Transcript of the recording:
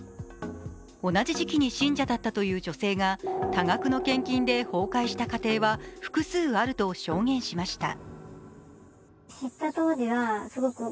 同じ時期に信者だったという女性が、多額の献金で崩壊した家庭は複数あると証言しました。